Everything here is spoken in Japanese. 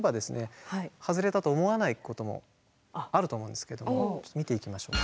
外れたと思わないこともあると思うんですけどちょっと見ていきましょうか。